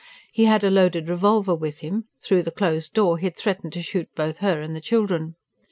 He had a loaded revolver with him; through the closed door he had threatened to shoot both her and the children.